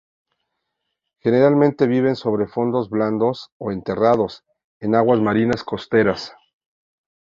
Generalmente viven sobre fondos blandos o enterrados, en aguas marinas costeras.